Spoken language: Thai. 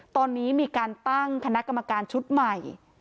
ตอนนี้มีการตั้งคณะกรรมการชุดใหม่